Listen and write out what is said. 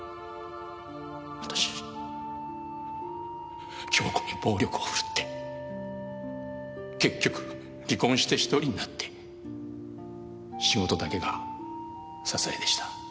私恭子に暴力をふるって結局離婚して１人になって仕事だけが支えでした。